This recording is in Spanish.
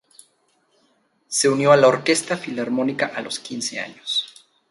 Se unió a la Orquesta Filarmónica a los quince años.